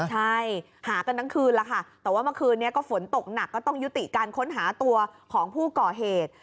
ใช่หากันทั้งคืนแล้วค่ะแต่ว่าเมื่อคืนนี้ก็ฝนตกหนักก็ต้องยุติการค้นหาตัวของผู้ก่อเหตุ